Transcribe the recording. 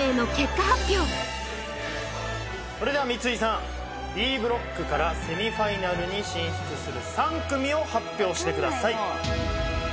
それでは三井さんＢブロックからセミファイナルに進出する３組を発表してください